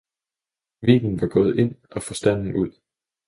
Vinen var gået ind og Forstanden ud.